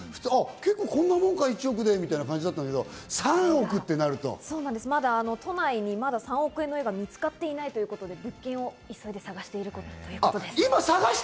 結構、こんなもんか１億ってみたいな感じだったけど、３億となるまだ都内に３億円の家が見つかっていないということで物件を探しているということです。